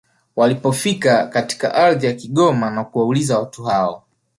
Walipofika katika ardhi ya Kigoma na kuwauliza watu hao